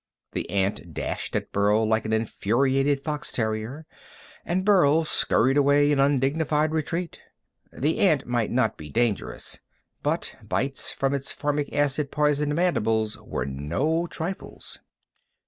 The ant dashed at Burl like an infuriated fox terrier, and Burl scurried away in undignified retreat. The ant might not be dangerous, but bites from its formic acid poisoned mandibles were no trifles.